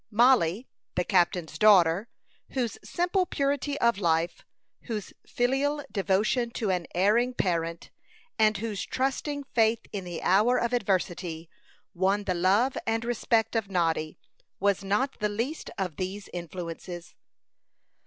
Mollie, the captain's daughter, whose simple purity of life, whose filial devotion to an erring parent, and whose trusting faith in the hour of adversity, won the love and respect of Noddy, was not the least of these influences.